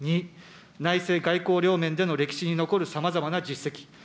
２、内政外交両面での歴史に残る様々な実績。